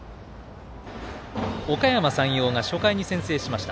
おかやま山陽が初回に先制しました。